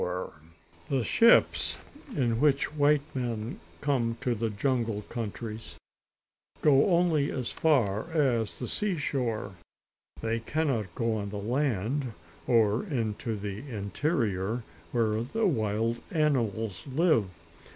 (Page 47)] The ships, in which white men come to the jungle countries, go only as far as the seashore. They cannot go on the land, or into the interior, where the wild animals live.